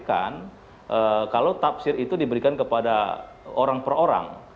bukan kalau tafsir itu diberikan kepada orang per orang